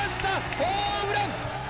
ホームラン！